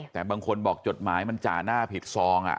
แต่บางคนบอกจดหมายมันจ่าหน้าผิดซอง